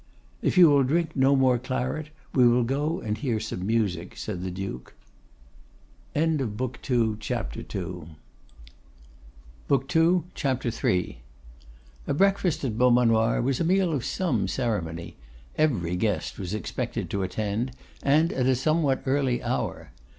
'If you will drink no more claret, we will go and hear some music,' said the Duke. CHAPTER III. A breakfast at Beaumanoir was a meal of some ceremony. Every guest was expected to attend, and at a somewhat early hour.